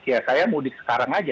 ya saya mudik sekarang aja